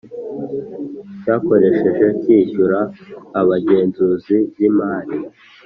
cyakoresheje cyishyura abagenzuzi b imari